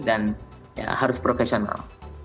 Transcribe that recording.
dan ya harus profesional